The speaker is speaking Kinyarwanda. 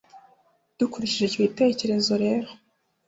dukurikije icyo gitekerezo rero,